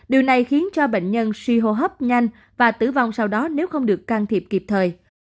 điều này khiến cho bệnh nhân suy hô hấp nhanh và tử vong sau đó nếu không được can thiệp kịp thời